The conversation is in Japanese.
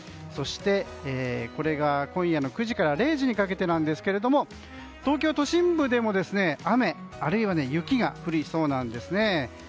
そして今夜の９時から０時にかけてですが東京都心部でも雨あるいは雪が降りそうなんですね。